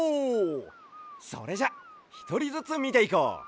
それじゃひとりずつみていこう。